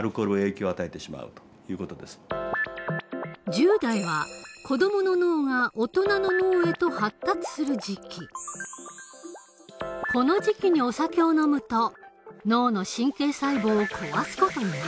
１０代は子どもの脳が大人の脳へとこの時期にお酒を飲むと脳の神経細胞を壊す事になる。